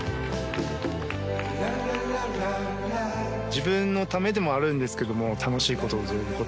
自分のためでもあるんですけども楽しい事という事で。